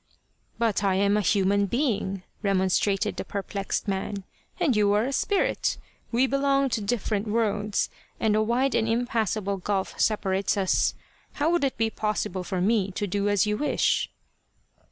" But I am a human being," remonstrated the per plexed man, " and you are a spirit ! We belong to different worlds, and a wide and impassable gulf separ ates us. How would it be possible for me to do as you wish